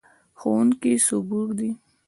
ښوونکې صبوره ده.